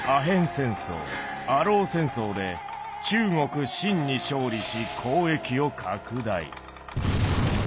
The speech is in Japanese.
戦争アロー戦争で中国清に勝利し交易を拡大。